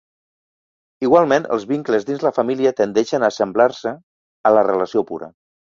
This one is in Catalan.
Igualment, els vincles dins la família tendeixen a assemblar-se a la relació pura.